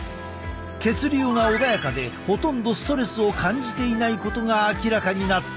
血流が穏やかでほとんどストレスを感じていないことが明らかになった！